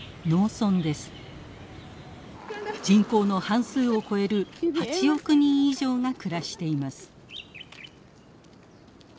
人口の半数を超える８億人以上が暮らしています。